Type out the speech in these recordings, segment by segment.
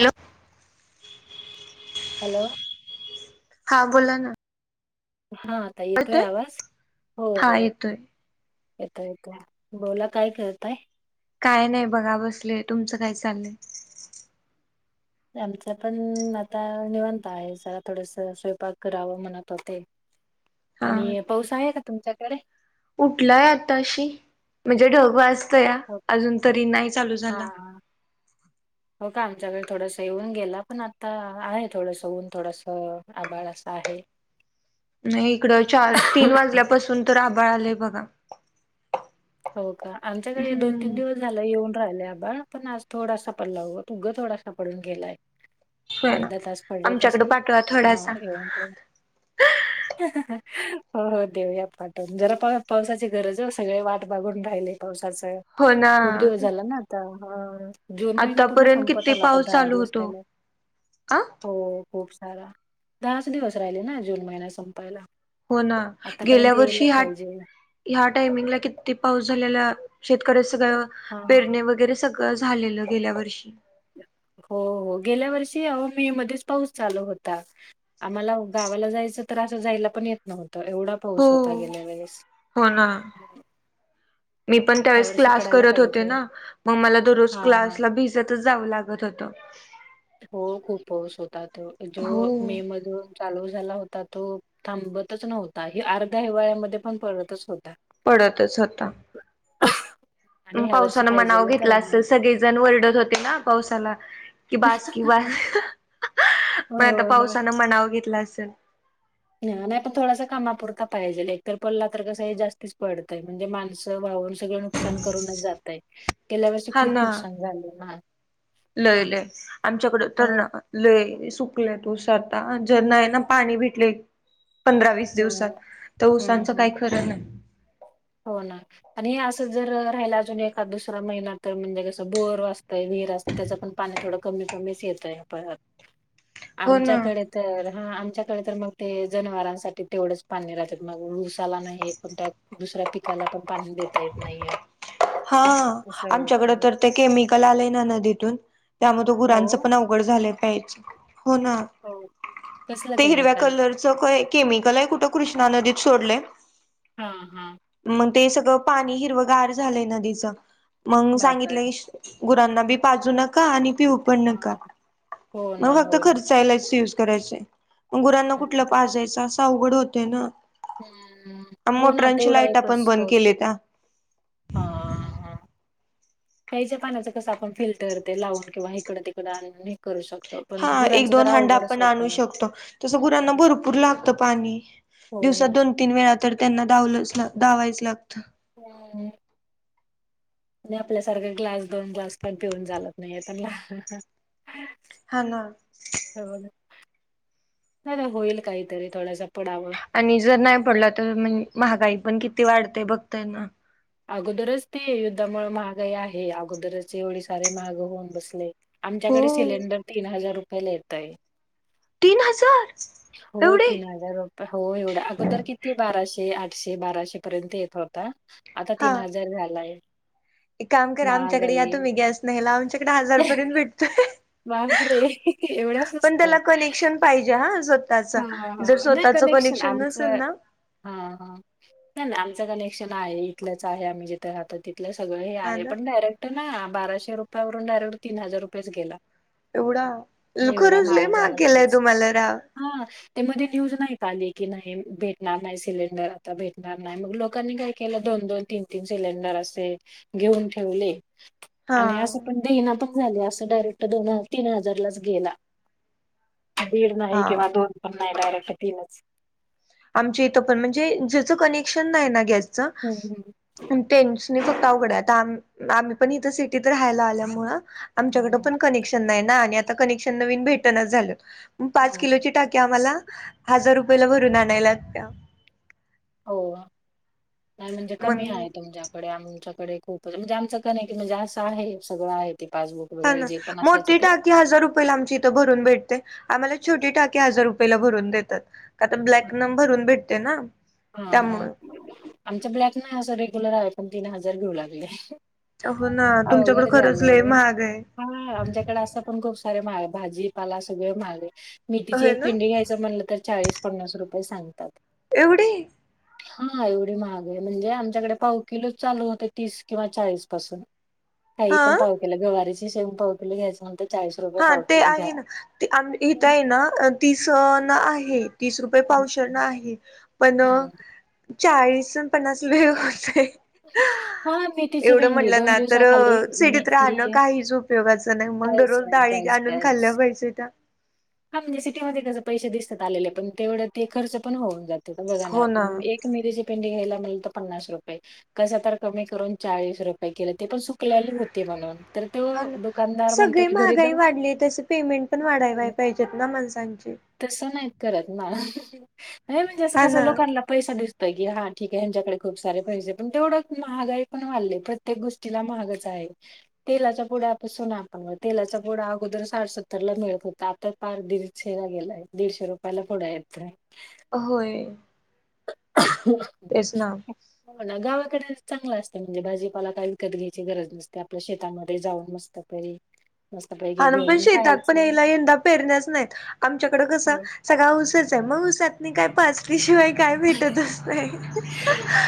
Hello hello हां बोला ना हा आता येतोय आवाज हो हा हो. येतोय येतोय येतोय बोला काय करताय? काय नाही बघा बसले. तुमचं काय चाललंय? आमच पण आता निवांत आहे जरा थोडस स्वयंपाक करावं म्हणत होते. हा आणि पाऊस आहे का तुमच्याकडे? उठलाय आताशी म्हणजे ढग वाज ताय हो अजून तरी नाही चालू हा झाला. [inaudible] हो का आमच्याकडे थोडस येऊन गेला पण आता आहे थोडस ऊन थोडस आभाळ असं आहे. हे नाही इकडं चार, तीन वाजल्यापासून तर आभाळ आलंय बघा. हो का आमच्याकडे दोन, तीन हम्म दिवस झाला येऊन राहिलय आता पण आज थोडासा पडलाय हो उगं थोडासा पडून गेलाय. होय ना अर्धा तास पडलात आमच्याकडे असेल पाठवा हा थोडासा येवुन ह ह ह हो हो देऊयात पाटवुन जरा काय पावसाची गरज आहे सगळे वाट बागून राहिले पावसाचे हो खूप दिवस झाले ना आता. जून महिना पूर्ण आतापर्यंत संपत किती आला का पाऊस दहा चालू दिवस होतो राहिला आ हो. खूप सारा दहाच दिवस राहिले ना जून महिन्यात संपायला. हो ना गेल्या आतापर्यंत वर्षी यायला पाहिजे हा-ह्या टायमिंगला किती पाऊस झालेला शेतकऱ्या सगळं हा पेरणी वगैरे सगळं झालेलं गेल्या वर्षी. [inaudible] हो हो गेल्या वर्षी आहो मे मध्येच पाऊस चालू होता आम्हाला गावाला जायचं असं जायला पण येत नव्हंत तर एवढा हो पाऊस होता गेल्या वेळेस. हो ना मी पण या त्यावेेळेस वर्षी क्लास पडायला करत होते पाहिजे ना मग मला दररोज हा हा क्लासला भिजतच जावं लागत होतं. हो खूपऊस होता त जो हो मे मधून चालू झाला होता तो थांबतच नव्हता. हे अर्ध्या हिवाळ्यामध्ये पण पडतच हो पडतच होता. आणि ह्या वर्षी पावसानं मणाव पाहिजेल तर घेतलं असल, नाही. सगळेजण वरडत होते ना पावसाना. कि बास कि बा [unintelligible] हो मणं आता पावसानं मणाव घेतलं असल. हं. नाही पण थोडासा कामापुरता पाहिजेल हाय, तल पडला तर कसं हाय जास्तीच पडतय, म्हणजे माणसं वावून सगळं नुकसान करूनच जातय, गेल्या वर्षी हा खूप ना नुकसान झालं ना. लय लय, आमच्याकडं तर ल हं, लय. सुकलंत ऊस आता, अनी जर नाहीय ना पाणी भेटले पंधरा वीस दिवसात, हं, तर हं, ऊसांचं हं. काय खरं नाही. हो ना आणि हे असं जर राहिला अजून एखा दुसरा महिना तर म्हणजे कस बोर वाचतयबी. [unintelligible] असत, तेच पण पाणी थोडं कमी कमीच येतय पळत हो ना आमच्याकडे तर हा आमच्याकडे तर मग ते जनावरांसाठी तेवढंच पाणी राहत्यात, मग ऊस साला नाही, कुट दुसऱ्या पिकाला पण पाणी देता येत नाहीय. हां, आमच्याकड तर ते केमिकल आलेय ना नदीतून त्यामुळ ते हो गुरांचं पण अवघड झालं प्यायच. हो ना, हो कसलं ते हिरव्या केमिकल कलरचं काय केमिकल हाय कुठं कृष्णा नदीत सोडलय. हां हां. ते सगळं पाणी हिरवंगार झालंय नदीचं म्हणून बापरे सांगितलंय. गुरांना बी पाजू नका आणि पिऊ पण नका. हा हो ना मग फक्त हो ना खर्चायलाच यूज. करायच, पण गुरांना कुठलं हम्म पाजायच असं अवघड होतय ना? हम्म हो ना मोटरांची तेवढा लाईट एकच आपण बंद स्त्रोत केली ना. हा हा प्यायच्या पाण्याच कसं आपण फिल्टर ते लावून किंवा हिकडं तिकडं आणून हे करू शकतो. पण हा एक गुरांचं दोन जरा हांड अवघडच आपण आणू होतंय शकतो. तसं हम्म, गुरांना भरपूर लागतं पाणी. हो ना दिवसात दोन तीन वेळा तर त्यांना दावलंच दावायचं लागतं. हम. आणि आपल्यासारख ग्लास दोन ग्लास पण पिऊन चालत नाही त्यांना. हा ना होना [unintelligible] होईल काहीतरी थोडासा - - आणि जर नाही पडला तर महागाई पण किती वाढते बघताय ना. अगोदरच ते युद्धामुळ महागाई आहे. अगोदरच एवढे सारे महाग होऊन बसलय. हो आमच्याकडे सिलेंडर तीन हजार रुपयेला येत आहे. तीन हजार. हो एवढे तीन हजार रुपये हो एवढा अगोदर किती बाराशे आठ आठशे बाराशे पर्यंत येत होता. आता हा तीन हजार झालाय. एक काम करा. आमच्याकडे या महागाई तुम्ही गॅस न्यायला आमच्याकडे हजारपर्यंत भेटतोय. बापरे एवढ्या पण स्वस्त. त्याला कनेक्शन पाहिजे हं स्वताच हा हा जर नाही स्वताच क - - कनेक्शन नेक्शन नसल आमचं ना - - हा हा नाही नाही आमच कनेक्शन आहे. इथल्याच आहे आम्ही जिथे राहत तिथ. थलं सगळं हे हा आहे. ना पण डायरेक्ट ना बाराशे रुपयवरून डायरेक्ट तीन हजार रुपयेच केला. एवढा, खरंच लइ महाग केलाय तुम्हाला राव. तेमध्ये न्यूज नाही आली की नाही भेटणार नाही सिलेंडर आता भेटणार नाही, मग लोकांनी काय केलं? दोन तीन तीन सिलेंडर असे घेऊन ठेवले. हा आणि असं पण देईना खुप झाली असं डायरेक्ट. तो दोन तीन हजारलाच गेला. दीड नाही हा किंवा दोन नाही डायरेक्ट तीनच. आमच्या इथ पण म्हणजे ज्याच कनेक्शन नाही ना गॅसच हम्म तें नाही फक्त अवघड हाय आता, आम्ही पण सिटीत राहायला आल्यामूळ आमच्याकड हम्म पण कनेक्शन नाही. ना आणि आता कनेक्शन नवीन भेटनाच झालं. म हम्म पाच हम्म किलोची टाकी आम्हाला हजार रुपयाला भरून आणायला लागत्या. हो का? नाही म्हणजे मग कमी हाय तुमच्याकडे आमच्याक डे खूपच म्हणजे आमचं का नाही की म्हणजे असं आहे सगळं आहे. ते पासबुक हा वगैरे ना, जे पण असायचं मोठी ते टाकी हजार रुपयला आमची इथं भरून भेटते. आम्हाला छोटी टाकीे हजार रुपयला भरून देतात. का तर ब्लॅक न भरून भेटते ना. हा हा त्यामुळे आमचा ब्लॅक ना असं रेग्युलर हाय, पण तीन हजार घेऊ लागले. हो ना तुमच्याकडे आवघड खरंच लय झालंय, महाग आहे हा आमच्याकडे असं पण खूप सारा भाजीपाला सगळ महागलंय. मेथीची होय एक ना पिंडी घ्यायच म्हणल तर चाळीस, पन्नास रुपये सांगतात. एवढे? हा एवढी महाग आहे. म्हणजे आमच्याकडे पाव किलोच चालू होते, तीस किंवा चाळीस पासून काहीपण हा पाव किलो गवारीची शेंग पाव किलो घ्यायचं म्हणत हा ते आहे ना ते आम हीत आहे ना तीस ना आहे. तीस रुपये पावशेरण आहे, पण अ हम्म चाळीस अन् पन्नास लय होतय. हा मेथीची एवढं भेंडी म्हटलं दोन ना, तर दिवसाखाली सिटीत राहणं मेथी काहीच उपयोगाचं नाही. मग काहीच दररोज नाही डाळी काहीच आणून काहीच खाल्ल्या पाहिजे त्या. हा म्हणजे सिटीमध्ये कस पैसे दिसतात आलेले, पण तेवढं ते खर्च पण होऊन जातेत. बघा ना, एक मेथीची पेंडी घ्यायला तर पन्नास रुपये कस तर कमी करून चाळीस रुपये केले ते पण सुकल्याली होती म्हणून. तर हा तो ना दुकानदार म्हणतो सगळी की घरी महागाई जाऊन वाढलीये, तस पेमेंट पण हा, वाढायला पाहिजेत ना माणसांची. [inaudible] तसं नाही करत ना [inaudible] नाही म्हणजे असं हा कस ना लोकांना पैसा दिसत. पैकी हा ठीक आहे ह्यांच्याकडे खूप सारे पैसे पण तेवढं महागाई पण वाढले प्रत्येक गोष्टीला महागाच आहे. [inaudible] तेलाच्या पुड्या पासून [unintelligible] तेला पड आपलाड अोदर सा सतरला मिळत होता. दीड चेहरा गेलाय दीडशे रुपयाला पुढा येत. होय. [inaudible] तेच ना हो [inaudible] ना गावात. कडे चांगलं असते म्हणजे भाजीपाला काय विकत घ्यायची गरज नसते आपल्या शेतामध्ये जाऊन मस्त तरी. [inaudible] [inaudible] हा ना पण शेतात पण यायला यंदा पेरण्याच नाहीत आमच्याकडे कसं हो. सगळ उसेच आहे मग ऊसात नाही काय पाचलीशिवाय. [inaudible]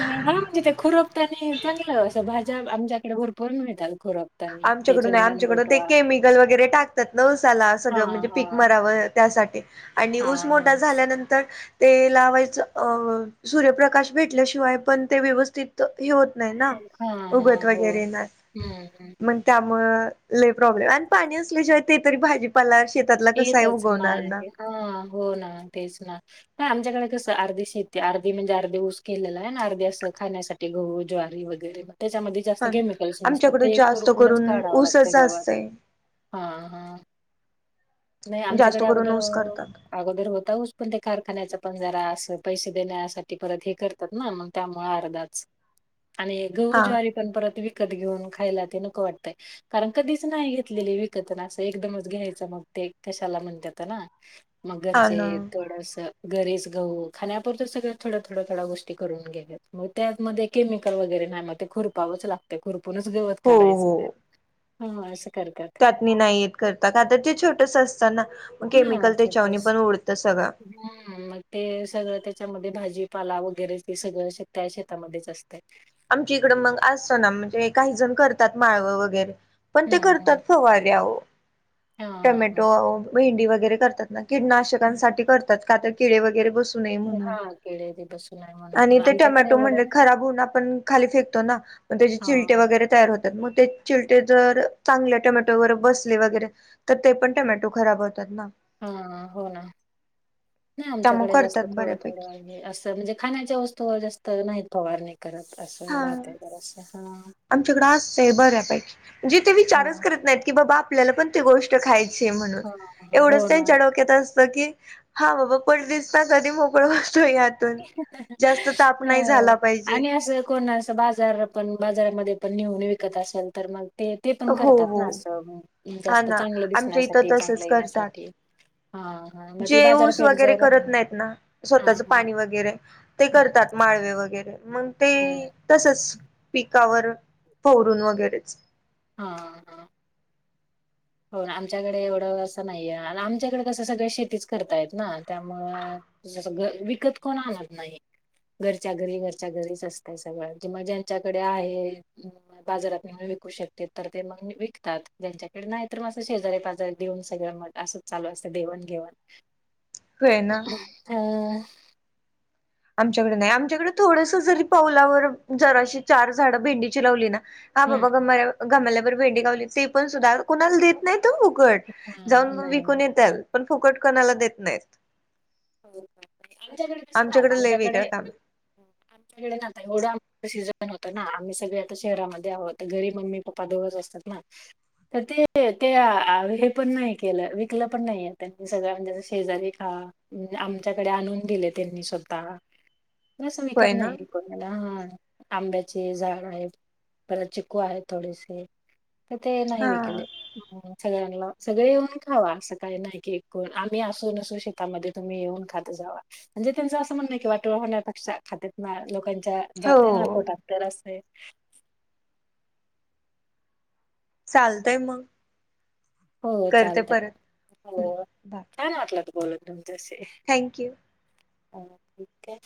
होण म्हणजे ते खुरपत आणि चांगलंअस भाजी. आमच्याकडे भरपरून मिळतात. [inaudible] खुरपतानी. ते आमच्याकडून चंदन आमच्याकडून ते गोटवा केमिकल वगैरे टाकतात न उसाला हा सगळं म्हणजे हा पीक मरावं त्यासाठी. आणि हा ऊस हा मोठा झाल्यानंतर ते लावायचं अ सूर्यप्रकाश भेटल्याशिवाय पण ते व्यवस्थित हे होत नाही ना हा उगत हा हो वगैरे ना. हम्म हम्म. प्रॉब्लेम हाय अन् पाणी असल्या शिवाय ते तरी भाजीपा. ते येतच नाही हा हो ना तेच ना प आमच्याकडे कसं अर्धी शेती अर्धी म्हणजे अर्धी ऊस केलेला आहे ना अर्धी असं खाण्यासाठी गहू, ज्वारी वगैरे त्याच्यामध्ये जास्त हा ना केमिकल्स नसतात आमच्याकडे ते जास्त खरकूनच करून काढावं लागत ऊसच गवात असतय हा हा नाही जास्त आमच्याकडे करून अगोदर ऊस करतात. अगोदर होता ऊस पण ते कारखान्याचा पण जरा अस पैसे देण्यासाठी परत हे करतात ना मग त्यामुळे अर्धाच आणि गहू, हा ज्वारी पण परत वी विकत घेऊन खायला ते नको वाटतंय कारण कधीच नाही घेतलेले विकत ना असं एकदमच घ्यायचं मग ते कशाला म्हणतात ना मग हा घरचे ना थोडस घरीच गहू खाण्या पुरता सगळ्या थोड्या- थोड्या, थोड्या गोष्टी करून घेतेत मग त्यामध्ये केमिकल वगैरे खुरपावच लागत खुरपूनच गवत काढायच त्या करतात त्यात म नाही येत करता आता ते छो असतना म हा केमिकल त्याच्यावणी छोटस पण उडत सगळं. हम्म मग ते सगळं त्याच्यामध्ये भाजीपाला वगैरे ते सगळं त्या शेतामध्येच असतं. आमच्या इकड मग असतं ना म्हणजे काही जण करतात माळवं वगैरे पण ते हम्म करतात हम्म सवऱ्यावर हा हा. टोमॅटो, भेंडी वगैरे करतात ना कीटनाशकांसाठी करतात का तर किडे वगैरे बस हा किडे वगैरे बसू नये म्हणून. आणि हा, ते आमच्याकडे टोमॅटो म्हणले एवढं नाही. खराब होऊन आपण खाली फेकतो ना त्याचे हा चिलटे वगैरे तयार होतात मग ते चिलटे जर चांगल्या टमॅटोवर बसले वगैरे तर ते पण टोमॅटो खराब होतात ना. हा हो ना नाही त्यामुळे आमच्याकडे जास्त करतात थोडं बऱ्यापैकी -थोडं आहे असं म्हणजे खाण्याच्या वस्तूवर जास्त नाही फवारनि. करत असं रात्रीभर असं हा. आमच्याकडें असतं बऱ्या पाहिकी म्हणजे ते हा विचारच करत नाहीत की बाबा आपल्याला पण ते गोष्ट खायची म्हणून हा हा हो एवढंच ना त्यांच्या डोक्यात असत की हा बाबा पट दिसन कधी मोकळ यातून जास्त ताप नाही ह झाला पाहिजे आणि असं कोण असं बाजार पण बाजारामध्ये पण नेहुन विकत असेल तर मग ते पण हो करतात हो ना अस हा जास्त ना चांगलं आमच्या इथं दिसण्यासाठी चांगलं तसच करतात येण्यासाठी हा हा मग बाजारपेट जरा नाही ना स्वतःच पाणी व ते हम्म करतात माळवे वगैरे मग ते हम्म तसच पी कावर फोरून वगैरेच हा ह हो आमच्याकडे एवढं असं नाहीये आणि आमच्याकडे कसं सगळे शेतीच करतायेत ना त्यामुळं विकत कोण आणत नाही. घरच्या घरी, घरच्या घरीच असतय सगळं कि मग ज्यांच्याकडे आहे बाजारात विकू शकत तर ते मग विकतात ज्यांच्याकडे नाही, तर मग असं शेजारी पाजारीे देऊन सगळं म असं चालू असं दे घेवाण. होय ना हा आमच्याकडे नाही आमच्याकडे थोडस जरी पावलावर जराशी चार झाडं भेंडीची लावली ना हा बाबा ग गमाल्यावर भेंडी गावली ते पण सुद्धा कुणाला देत नायत. फुकट जाऊन म नाही विकून नाही येतेल पण फुकट कोणाला देत नायत. हो ह आमच्याकडे कस नाहीत लय आमच्याकडे वेगळं काम आहे आमच्याकडे थोड आ स पण होत ना आम्ही सगळे आता शहरामध्ये आहोत घरी मम्मी पप्पा दोघच असतात ना तर ते, ते हे पण नाइ केलं विकलं पण नाईय, त्यांनी सगळं म्हणजे शेजारी खा आमच्याकडे आणून दिले त्यांनी स्वतः तसं विकत होय ना नाई कोणाला आंब्याचे झाड आहेत, परत चिकू आहेत थोडेसे. म ते नाय हा विकले. सगळ्यांना सगळे येऊन खावा सकाळी नाही की कोण आम्ही असू नसू शक तुम्ही येऊन खात जावा म्हणजे त्यांचं असं म्हणय की वाटुळ होण्यापेक्षा खातेत ना लोका च्या जातय ना हो पोटात तर असय चालतय मग हो करते चालतय, परत हो बाय छान वाटलं तु बोलत तुमच्या शी. थँक्यू हो ठीकय